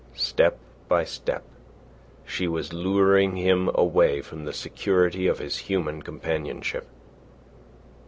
Step by step she was luring him away from the security of his human companionship.